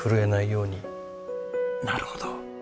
なるほど。